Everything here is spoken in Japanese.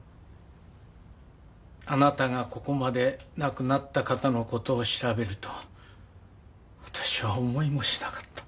あなたがここまで亡くなった方の事を調べるとは私は思いもしなかった。